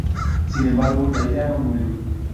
Sin embargo, la idea no murió.